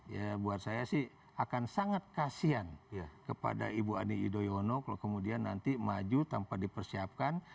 ya buat saya sih akan sangat kasian kepada ibu ani yudhoyono kalau kemudian nanti maju tanpa dipersiapkan